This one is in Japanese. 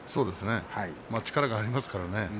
力がありますからね。